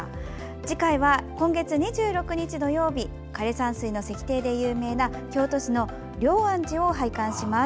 次回は今月２６日、土曜日枯山水の石庭で有名な京都市の龍安寺を拝観します。